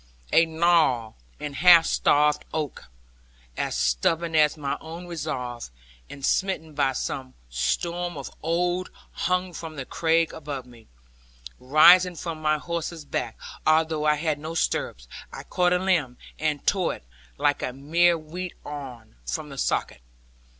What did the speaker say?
A gnarled and half starved oak, as stubborn as my own resolve, and smitten by some storm of old, hung from the crag above me. Rising from my horse's back, although I had no stirrups, I caught a limb, and tore it (like a mere wheat awn) from the socket.